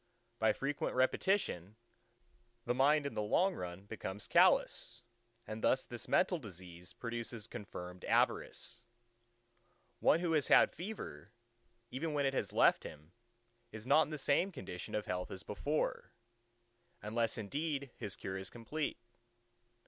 By frequent repetition, the mind in the long run becomes callous; and thus this mental disease produces confirmed Avarice. One who has had fever, even when it has left him, is not in the same condition of health as before, unless indeed his cure is complete.